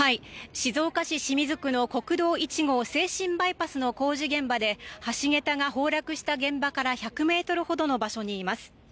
静岡市清水区の国道１号静清バイパスの工事現場で橋げたが崩落した現場から１００ｍほどの場所にいます。